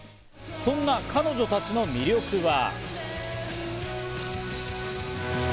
そんな彼女たちの魅力は。